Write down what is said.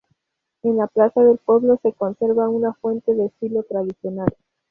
En la plaza del pueblo, se conserva una fuente de estilo tradicional.